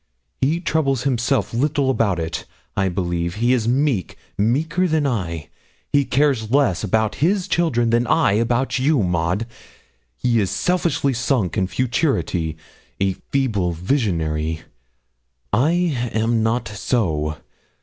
He troubles himself little about it, I believe he's meek, meeker than I. He cares less about his children than I about you, Maud; he is selfishly sunk in futurity a feeble visionary. I am not so.